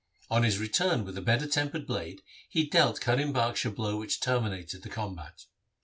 On his return with a better tempered blade he dealt Karim Bakhsh a blow which terminated the combat.